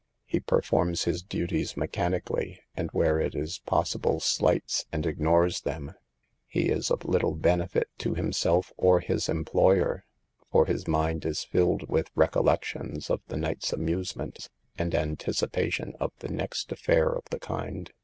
He performs his duties mechanically, and where it is possible slights and ignores them. He is of little benefit to himself or his employer ; for his mind is filled with recollections of the night's amusements, and anticipations of the next affair of the kind.